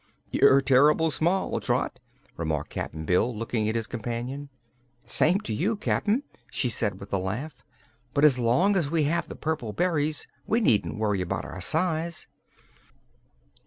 "You're terr'ble small, Trot," remarked Cap'n Bill, looking at his companion. "Same to you, Cap'n," she said with a laugh; "but as long as we have the purple berries we needn't worry about our size."